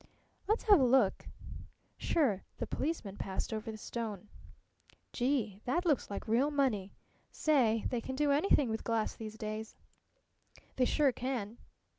"Let's have a look." "Sure." The policeman passed over the stone. "Gee! That looks like real money. Say, they can do anything with glass these days." "They sure can."